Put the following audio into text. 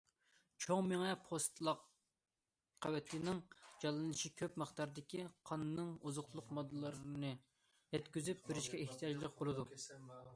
چوڭ مېڭە پوستلاق قەۋىتىنىڭ جانلىنىشى كۆپ مىقداردىكى قاننىڭ ئوزۇقلۇق ماددىلارنى يەتكۈزۈپ بېرىشىگە ئېھتىياجلىق بولىدۇ.